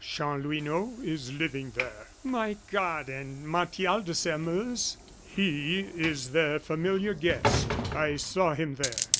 "Chanlouineau is living there." "My God! And Martial de Sairmeuse?" "He is their familiar guest. I saw him there."